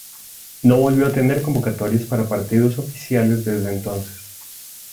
No volvió a tener convocatorias para partidos oficiales desde entonces.